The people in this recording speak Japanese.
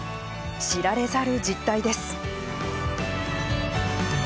知られざる実態です。